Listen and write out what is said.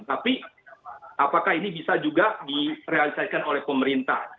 tapi apakah ini bisa juga direalisasikan oleh pemerintah